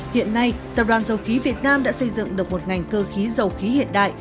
hiện nay tập đoàn dầu khí việt nam đã xây dựng được một ngành cơ khí dầu khí hiện đại